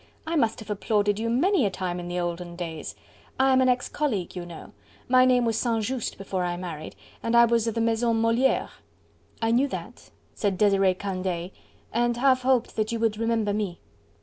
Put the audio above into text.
"I must have applauded you many a time in the olden days. I am an ex colleague, you know. My name was St. Just before I married, and I was of the Maison Moliere." "I knew that," said Desiree Candeille, "and half hoped that you would remember me."